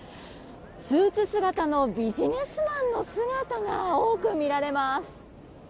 スーツ姿のビジネスマンの姿が多く見られます。